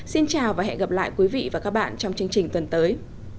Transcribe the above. xin chào và hẹn gặp lại quý vị và các bạn trong chương trình tuần tới